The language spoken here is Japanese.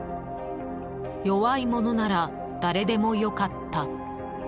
弱いものなら誰でも良かった。